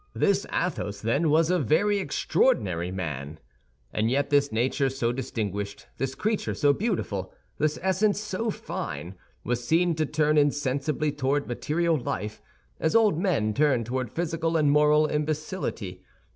This Athos, then, was a very extraordinary man. And yet this nature so distinguished, this creature so beautiful, this essence so fine, was seen to turn insensibly toward material life, as old men turn toward physical and moral imbecility.